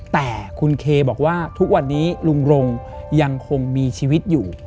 แต่คุณเคบอกว่าทุกวันนี้ลุงรงยังคงมีชีวิตอยู่